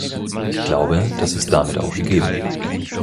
Ich glaube, das ist damit auch gegeben.